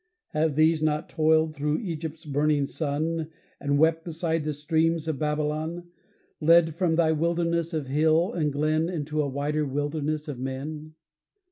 Have these not toiled through Egypt's burning sun, And wept beside the streams of Babylon, Led from thy wilderness of hill and glen Into a wider wilderness of men?